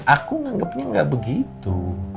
aku nganggapnya gak begitu